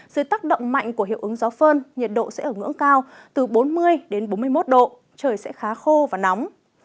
dưới tác động mạnh của hiệu ứng gió phơn nhiệt độ sẽ ở ngưỡng cao từ bốn mươi đến bốn mươi một độ trời sẽ khá khô và nóng